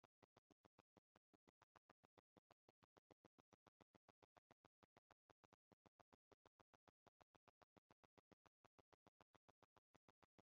“Abantu bose baratumiwe haba abanyamakuru dukorana mu kiganiro cyiswe Abarezi Family ndtse n’abahanzi muri rusange